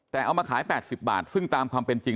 แต่เอามาขาย๘๐บาทซึ่งตามความเป็นจริง